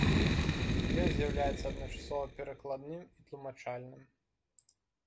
Ён з'яўляецца адначасова перакладным і тлумачальным.